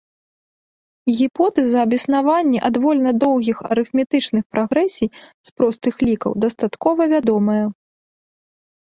Гіпотэза аб існаванні адвольна доўгіх арыфметычных прагрэсій з простых лікаў дастаткова вядомая.